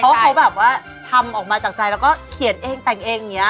เพราะเขาแบบว่าทำออกมาจากใจแล้วก็เขียนเองแต่งเองอย่างนี้